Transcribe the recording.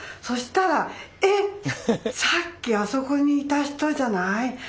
そしたら「えっ！さっきあそこにいた人じゃない？」。